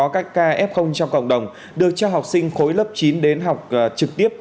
các ca f trong cộng đồng được cho học sinh khối lớp chín đến học trực tiếp